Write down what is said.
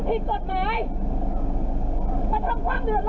และคลับทำให้ร้อนก็ได้